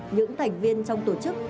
những thành viên trong tổ chức